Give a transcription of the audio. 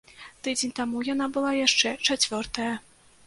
Тыдзень таму яна была яшчэ чацвёртая.